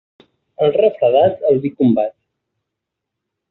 El refredat, el vi el combat.